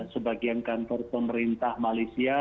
sebagian kantor pemerintah malaysia